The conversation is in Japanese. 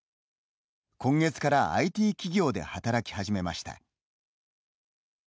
今月からＩＴ企業で働き始めました。